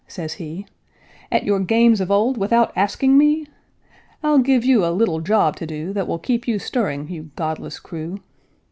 says he, "At your games of old, without asking me! I'll give you a little job to do That will keep you stirring, you godless crew!"